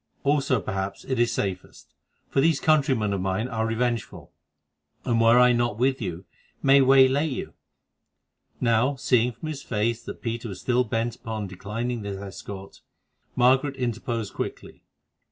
Also, perhaps, it is safest, for these countrymen of mine are revengeful, and, were I not with you, might waylay you." Now, seeing from his face that Peter was still bent upon declining this escort, Margaret interposed quickly.